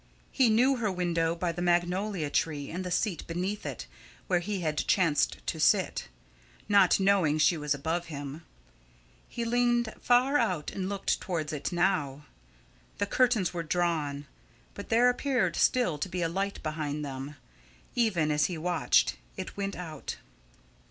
He knew her window by the magnolia tree and the seat beneath it where he had chanced to sit, not knowing she was above him. He leaned far out and looked towards it now. The curtains were drawn, but there appeared still to be a light behind them. Even as he watched, it went out.